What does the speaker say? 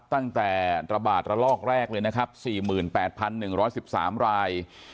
ตั้งแต่ระบาดระลอกแรกเลยนะครับ๔๘๑๑๓ราย